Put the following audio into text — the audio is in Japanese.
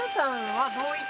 はい。